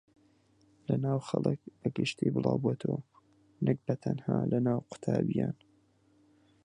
لەناو خەڵک بەگشتی بڵاوبۆتەوە نەک بەتەنها لەناو قوتابییان